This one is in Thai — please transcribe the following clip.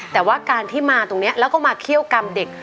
แต่ว่าการที่มาตรงนี้แล้วก็มาเคี่ยวกรรมเด็ก